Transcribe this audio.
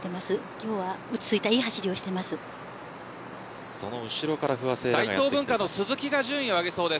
今日は落ち着いたいい走りをしています。